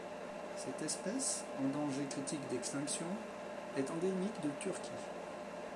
Cette espèce, en danger critique d'extinction, est endémique de Turquie.